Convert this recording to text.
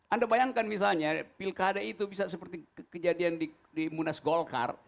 anda bayangkan misalnya pilkada itu bisa seperti kejadian di munas golkar